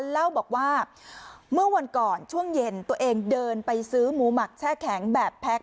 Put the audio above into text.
เล่าบอกว่าเมื่อวันก่อนช่วงเย็นตัวเองเดินไปซื้อหมูหมักแช่แข็งแบบแพ็ค